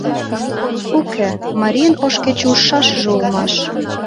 Уке, марийын ош кече ужшашыже улмаш.